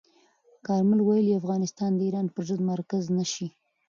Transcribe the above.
کارمل ویلي، افغانستان د ایران پر ضد مرکز نه شي.